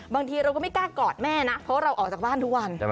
บางทีเราก็ไม่กล้ากอดแม่นะเพราะว่าเราออกจากบ้านทุกวัน